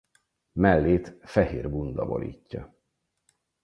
Mellét fehér bunda borítja.